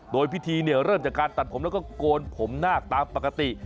โดยพิธีเริ่มจากการตัดผมแล้วก็โกนผมนาคตามปกติ